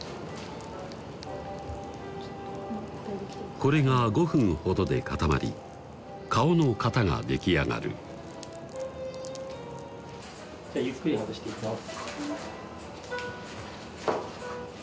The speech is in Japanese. これが５分ほどで固まり顔の型が出来上がるじゃゆっくり外していきます